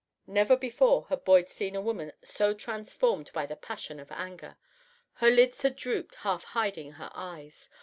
Never before had Boyd seen a woman so transformed by the passion of anger. Her lids had drooped, half hiding her eyes.